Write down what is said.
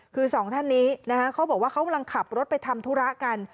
คือสองท่านนี้นะคะเขาบอกว่าเขากำลังขับรถไปทำธุระกัน